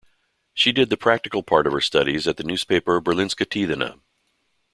She did the practical part of her studies at the newspaper "Berlingske Tidende".